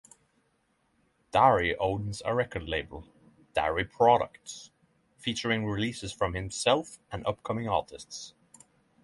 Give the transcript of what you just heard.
Darey owns a record label, Darey Products, featuring releases from himself and upcoming artists.